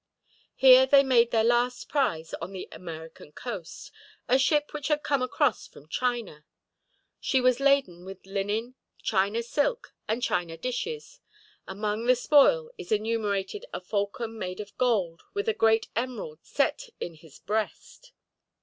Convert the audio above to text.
Here they made their last prize on the American coast a ship which had come across from China. She was laden with linen, China silk, and China dishes. Among the spoil is enumerated a falcon made of gold, with a great emerald set in his breast.